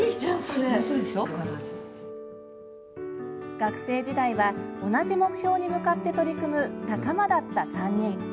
学生時代は、同じ目標に向かって取り組む仲間だった３人。